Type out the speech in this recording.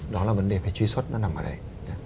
đó là vấn đề phải truy xuất nó nằm ở đây